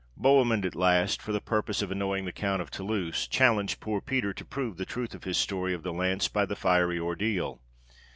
Bohemund at last, for the purpose of annoying the Count of Toulouse, challenged poor Peter to prove the truth of his story of the lance by the fiery ordeal.